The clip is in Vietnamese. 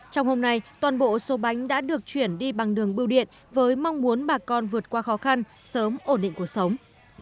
trong hôm nay toàn bộ số bánh đã được chuyển đi bằng đường bưu điện với mong muốn bà con vượt qua khó khăn sớm ổn định cuộc sống